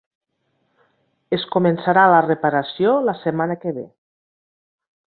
Es començarà la reparació la setmana que ve